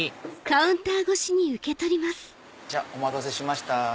楽しみお待たせしました。